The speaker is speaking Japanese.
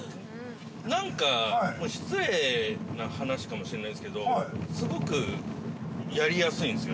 ◆なんか失礼な話かもしれないですけど、すごくやりやすいんですよ。